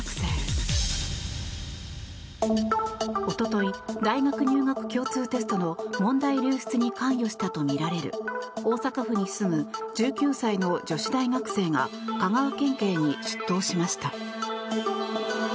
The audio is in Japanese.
おととい大学入学共通テストの問題流出に関与したとみられる大阪府に住む１９歳の女子大学生が香川県警に出頭しました。